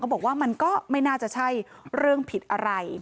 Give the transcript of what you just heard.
บอกว่ามันก็ไม่น่าจะใช่เรื่องผิดอะไร